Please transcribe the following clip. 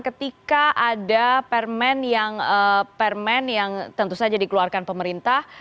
ketika ada permen yang tentu saja dikeluarkan pemerintah